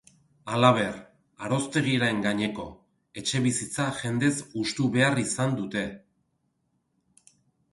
Halaber, aroztegiaren gaineko etxebizitza jendez hustu behar izan dute.